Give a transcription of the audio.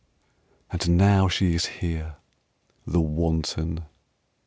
And now she is here The wanton!